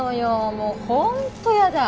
もう本当やだ。